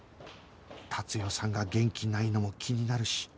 達代さんが元気ないのも気になるし